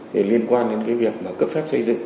thì liên quan đến cái việc mà cấp phép xây dựng